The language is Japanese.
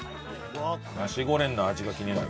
ナシゴレンの味が気になる。